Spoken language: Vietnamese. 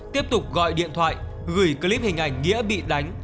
tiếp tục gọi điện thoại gửi clip hình ảnh nghĩa bị đánh